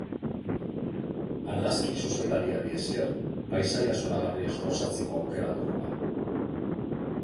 Argazki zuzendariari esker paisaia zoragarriez gozatzeko aukera dugula.